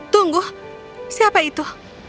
tunggu siapa itu